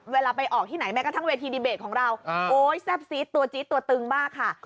ไปออกที่ไหนแม้กระทั่งเวทีดีเบตของเราโอ๊ยแซ่บซีดตัวจี๊ดตัวตึงมากค่ะ